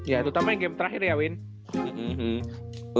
ya terutama yang game terakhir ya win